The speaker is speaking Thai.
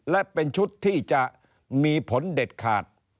และเป็นชุดที่จะมีผลเด็ดขาด